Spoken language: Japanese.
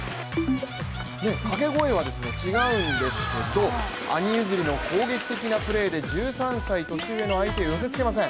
掛け声は違うんですけれども、兄譲りの攻撃的なプレーで１３歳年上の相手を寄せつけません。